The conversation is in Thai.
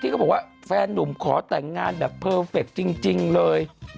เขาบอกว่าแฟนนุ่มขอแต่งงานแบบเพอร์เฟคจริงเลย